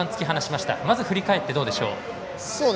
まず振り返ってどうでしょう。